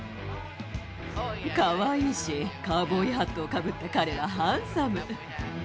かわいいし、カウボーイハットをかぶった彼はハンサム。